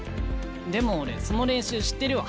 でも俺その練習知ってるわ。